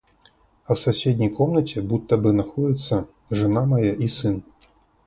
А в соседней комнате, будто бы находятся жена моя и сын.